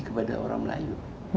kepada orang melayu